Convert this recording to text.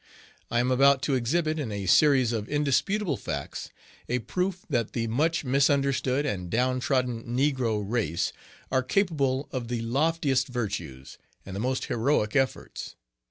I am about to exhibit, in a series of indisputable facts, a proof that the much misunderstood and down trodden negro race are capable of the loftiest virtues and the most heroic efforts.